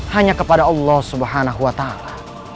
hanya kepada allah subhanahu wa ta'ala